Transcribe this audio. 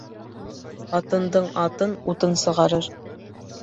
Ҡатындың атын утын сығарыр.